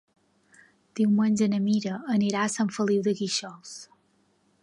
Diumenge na Mira anirà a Sant Feliu de Guíxols.